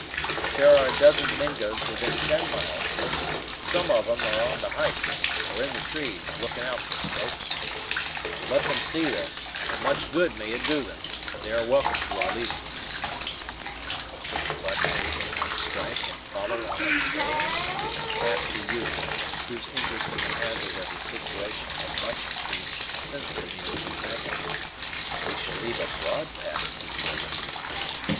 If there are a dozen Mingos within ten miles of us, some of 'em are on the heights, or in the trees, looking out for smokes; let them see this, and much good may it do them. They are welcome to our leavings." "But may they not strike and follow on our trail?" asked the youth, whose interest in the hazard of his situation had much increased since the meeting with Magnet. "We shall leave a broad path to the river."